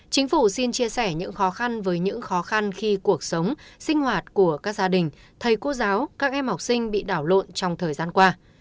chính phủ xin chia sẻ những khó khăn với những khó khăn khi cuộc sống sinh hoạt của các gia đình thầy cô giáo các em học sinh bị đảo lộn trong thời gian qua